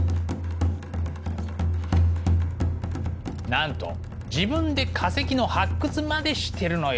なんと自分で化石の発掘までしてるのよ。